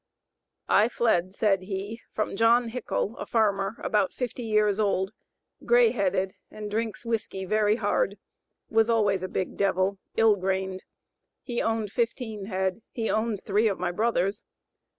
"I fled," said he, "from John Hickol, a farmer, about fifty years old, grey headed and drinks whiskey very hard was always a big devil ill grained. He owned fifteen head; he owns three of my brothers.